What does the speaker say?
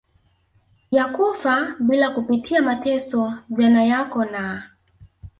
ya kufa bila kupitia mateso Jana yako na